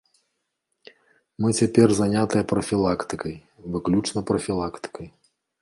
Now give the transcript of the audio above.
Мы цяпер занятыя прафілактыкай, выключна прафілактыкай.